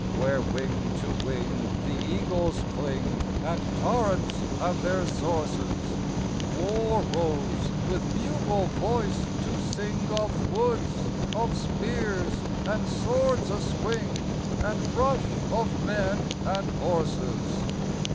Where, wing to wing, the eagles cling And torrents have their sources, War rose with bugle voice to sing Of woods of spears and swords a swing, And rush of men and horses.